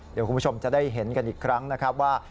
เดี๋ยวคุณผู้ชมจะได้เห็นกันอีกครั้งนะครับว่า